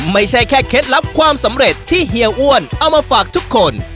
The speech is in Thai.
ไม่ใช่แค่เคล็ดลับความสำเร็จที่เฮียอ้วนเอามาฝากทุกคน